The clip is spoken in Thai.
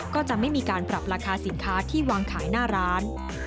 ก็จะไม่มีการปรับราคาสินค้าที่วางขายหน้าร้าน